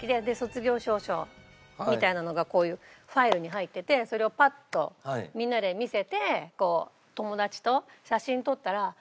で卒業証書みたいなのがこういうファイルに入っててそれをパッとみんなで見せて友達と写真撮ったら。